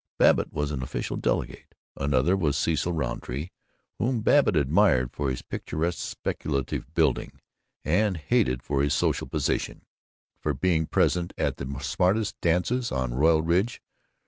Babbitt was an official delegate; another was Cecil Rountree, whom Babbitt admired for his picaresque speculative building, and hated for his social position, for being present at the smartest dances on Royal Ridge.